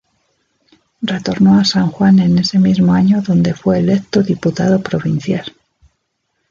Retornó a San Juan en ese mismo año donde fue electo diputado provincial.